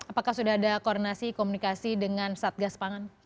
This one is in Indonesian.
apakah sudah ada koordinasi komunikasi dengan satgas pangan